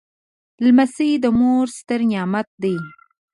لمسی د مور ستر نعمت دی.